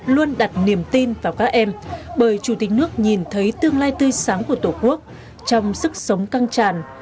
luôn đặt niềm tin vào các em bởi chủ tịch nước nhìn thấy tương lai tươi sáng của tổ quốc trong sức sống căng tràn